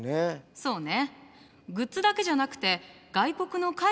そうね。